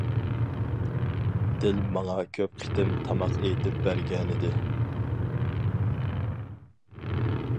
دىل ماڭا كۆپ قېتىم تاماق ئېتىپ بەرگەنىدى.